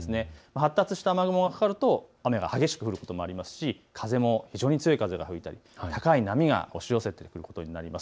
発達した雨雲がかかると雨が激しく降ることもありますし非常に強い風が吹いて高い波が押し寄せてきます。